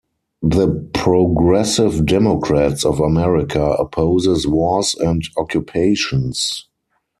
The Progressive Democrats of America opposes wars and occupations.